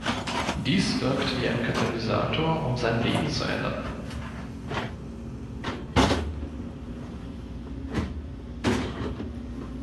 Dies wirkt wie ein Katalysator, um sein Leben zu ändern.